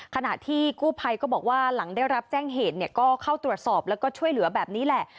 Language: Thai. ขณะที่กู้ภัยก็บอกว่าหลังได้รับแจ้งเหตุก็เข้าตรวจสอบแล้วก็ช่วยเหลือแบบนี้แหละ